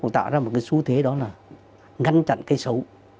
tạo ra một cái xu thế đó là ngăn chặn cái xấu